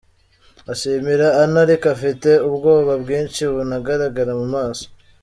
Ashimira Anna ariko afite ubwoba bwinshi bunagaragara mu maso.